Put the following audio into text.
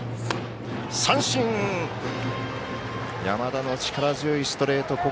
山田の力強いストレート